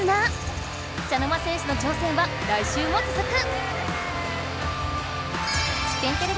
茶の間戦士の挑戦は来週もつづく！